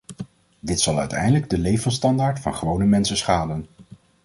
Dit zal uiteindelijk de levensstandaard van gewone mensen schaden.